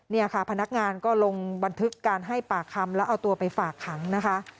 เนี่ยค่ะพนักงานก็ลงบันทึกการให้ปากคำแล้วเอาตัวไปฝากขังนะคะ